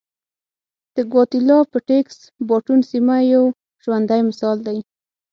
د ګواتیلا پټېکس باټون سیمه یو ژوندی مثال دی.